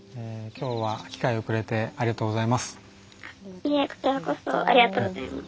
今日は機会をくれてありがとうございます。